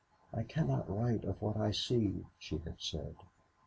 "I cannot write of what I see," she had said.